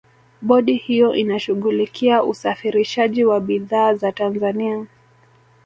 bodi hiyo inashughulikia usafirishaji wa bidhaa za tanzania